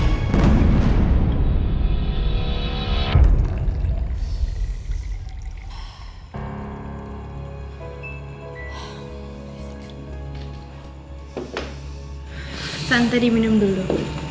santai diminum dulu